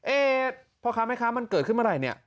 พ่อค้าแม่ค้ามันเกิดขึ้นเมื่อไหร่เนี่ย